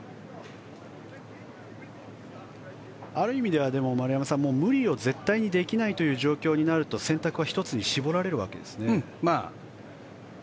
ある意味では、丸山さん無理を絶対にできないという状況になると選択は１つに絞られるわけですね。